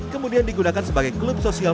kemudian digunakan sebagai klub sosial